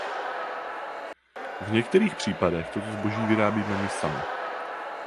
V některých případech toto zboží vyrábíme my sami.